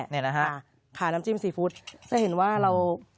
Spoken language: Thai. น้ำจิ้มซีฟู้ดจะเห็นว่าเรา